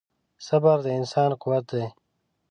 • صبر د انسان قوت دی.